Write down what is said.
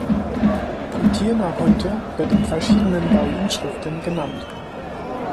Kutir-Naḫḫunte wird in verschiedenen Bauinschriften genannt.